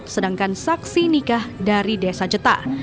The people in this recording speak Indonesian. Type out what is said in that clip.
sedangkan saksi nikah dari desa jeta